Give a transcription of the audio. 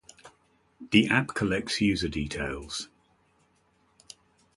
The app collects user details